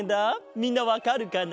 みんなわかるかな？